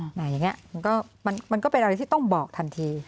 อย่างนี้มันก็เป็นอะไรที่ต้องบอกทันที